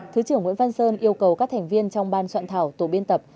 thứ trưởng nguyễn văn sơn yêu cầu các thành viên trong ban soạn thảo tổ biên tập